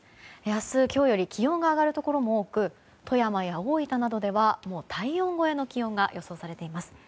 明日、今日より気温が上がるところも多く富山や大分では体温超えの気温が予想されています。